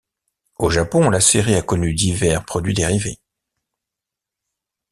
Au Japon, la série a connu divers produits dérivés.